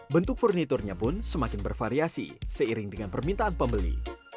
bentuk furniturnya pun semakin bervariasi seiring dengan permintaan pembeli